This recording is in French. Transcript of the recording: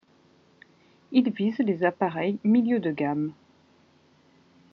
Il vise les appareils milieu de gamme.